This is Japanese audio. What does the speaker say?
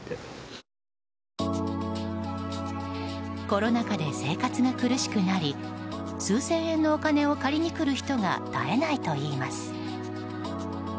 コロナ禍で生活が苦しくなり数千円のお金を借りに来る人が絶えないといいます。